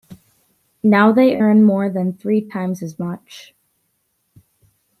Now they earn more than three times as much.